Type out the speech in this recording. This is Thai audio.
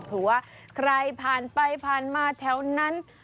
เผื่อว่าใครผ่านไปผ่านมาแถวนั้น